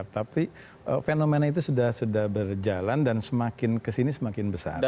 tapi fenomena itu sudah berjalan dan semakin kesini semakin besar